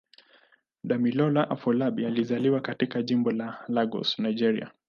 Damilola Afolabi alizaliwa katika Jimbo la Lagos, Nigeria.